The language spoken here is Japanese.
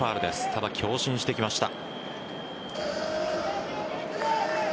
ただ強振してきました。